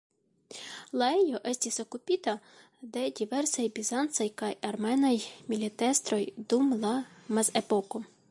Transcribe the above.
La ejo estis okupita de diversaj bizancaj kaj armenaj militestroj dum la Mezepoko.